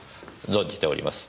存じております。